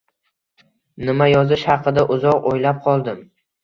Nima yozish haqida uzoq o`ylab qoldim